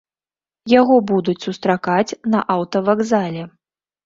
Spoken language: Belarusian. Яго будуць сустракаць на аўтавакзале.